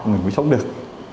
mình mới sống được